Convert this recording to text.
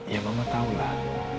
ya mama tau lah